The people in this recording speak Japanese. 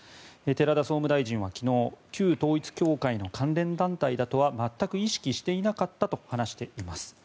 寺田総務大臣は昨日旧統一教会の関連団体だとは全く意識していなかったと話しています。